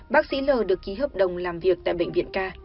bác sĩ lờ được ký hợp đồng làm việc tại bệnh viện k